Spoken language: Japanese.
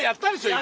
今。